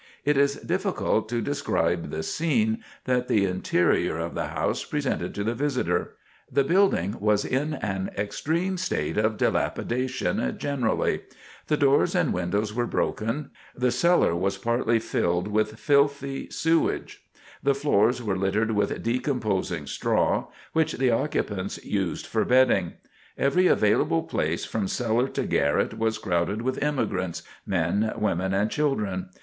It is difficult to describe the scene that the interior of the house presented to the visitor. The building was in an extreme state of dilapidation generally; the doors and windows were broken; the cellar was partly filled with filthy sewage; the floors were littered with decomposing straw, which the occupants used for bedding; every available place, from cellar to garret, was crowded with immigrants men, women, and children.